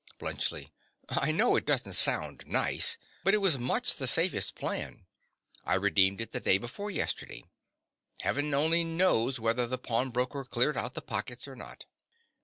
BLUNTSCHLI. I know it doesn't sound nice; but it was much the safest plan. I redeemed it the day before yesterday. Heaven only knows whether the pawnbroker cleared out the pockets or not.